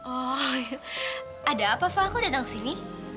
oh iya ada apa fah kok datang ke sini